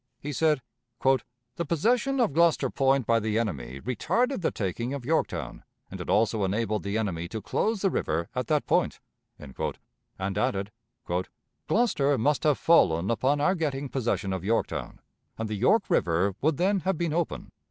He said, "The possession of Gloucester Point by the enemy retarded the taking of Yorktown, and it also enabled the enemy to close the river at that point," and added, "Gloucester must have fallen upon our getting possession of Yorktown, and the York River would then have been open."